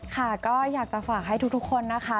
ค่ะก็อยากจะฝากให้ทุกคนนะคะ